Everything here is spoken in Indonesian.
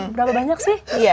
berapa banyak sih